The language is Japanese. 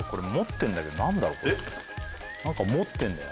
何か持ってんだよ